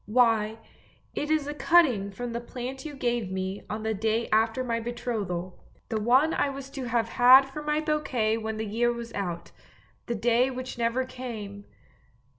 < Why it is a cutting from the plant you gave me on the day after my betrothal ; the one I was to have had for my bouquet when the year was out — the day which never came!